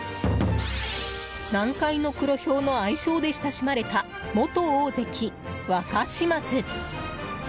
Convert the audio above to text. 南海の黒ヒョウの愛称で親しまれた元大関・若嶋津。